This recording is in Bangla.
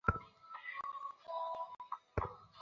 স্বামীজী সুন্দর গান গাহিতে পারেন, অনেকে শুনিয়াছেন।